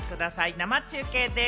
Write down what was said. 生中継でぃす。